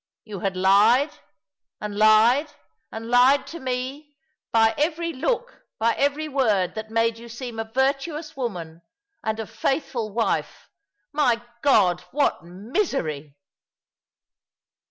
You had lied, and lied, and lied to me— by every look, by every word that made you seem a virtuous woman and a faithful wife. My God, what misery